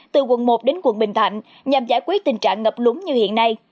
từ quận một đến quận bình thạnh nhằm giải quyết tình trạng ngập lúng như hiện nay